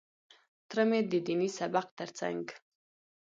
تره مې د ديني سبق تر څنګ.